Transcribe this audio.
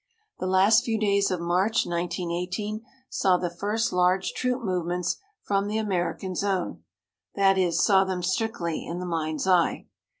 The last few days of March, 1918, saw the first large troop movements from the American zone that is, saw them strictly in the mind's eye.